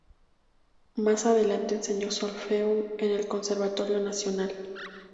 Más adelante enseñó solfeo en el Conservatorio Nacional.